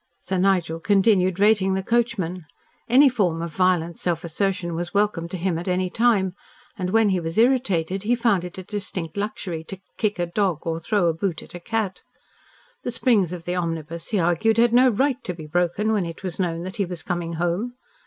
Sir Nigel continued rating the coachman. Any form of violent self assertion was welcome to him at any time, and when he was irritated he found it a distinct luxury to kick a dog or throw a boot at a cat. The springs of the omnibus, he argued, had no right to be broken when it was known that he was coming home.